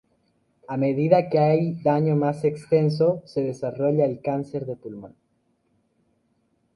A medida que hay daño más extenso, se desarrolla el cáncer de pulmón.